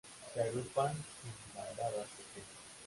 Se agrupan en bandadas pequeñas.